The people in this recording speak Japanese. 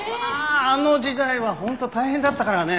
あの時代はホント大変だったからね。